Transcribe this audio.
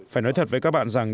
phải nói thật với các bạn rằng